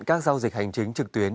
các giao dịch hành chính trực tuyến